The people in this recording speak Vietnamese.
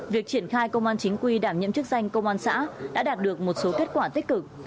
việc triển khai công an chính quy đảm nhiệm chức danh công an xã đã đạt được một số kết quả tích cực